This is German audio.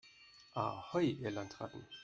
Ahoi, ihr Landratten!